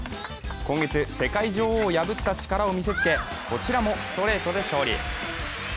今月、世界女王を破った力を見せつけこちらもストレートで勝利。